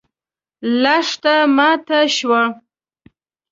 لښته ماته شوه.